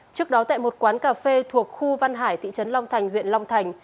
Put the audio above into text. trước đó tại một quán cà phê thuộc khu văn hải thị trấn long thành huyện long thành